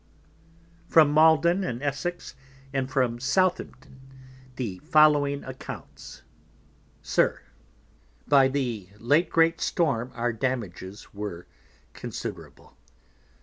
From Malden in Essex, and from Southampton, the following Accounts. SIR, By the late great Storm our Damages were considerable.